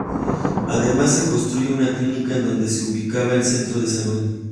Además se construye una clínica en donde se ubicaba el centro de salud.